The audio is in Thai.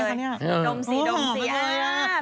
หอมไปเลยล่ะ